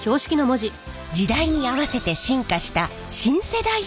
時代に合わせて進化した新世代標識。